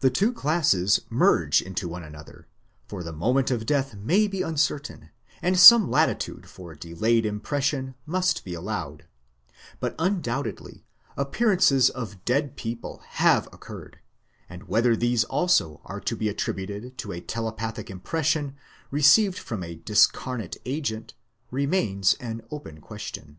The two classes merge into one an other, for the moment of death may be uncertain, and some lati tude for delayed impression must be allowed; but undoubtedly appearances of dead people have occurred, and whether these also are to be attributed to a telepathic impression, received from a discarnate agent, remains an open question.